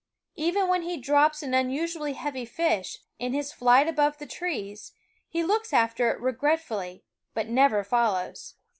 Even when he drops an unusually heavy fish, in his flight above the trees, he looks after it regretfully, but never follows.